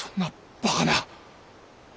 バカな！